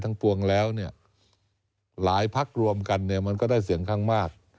ปวงแล้วเนี่ยหลายพักรวมกันเนี่ยมันก็ได้เสียงข้างมาก